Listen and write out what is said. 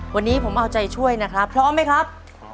วันนี้ผมเอาใจช่วยนะครับพร้อมไหมครับ